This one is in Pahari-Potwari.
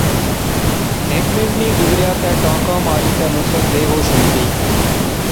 ہیک منٹ نی گزریا تے ٹانکا ماری تے نصرت بیہوش ہوئی گئی